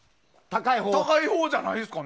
高いほうじゃないですか？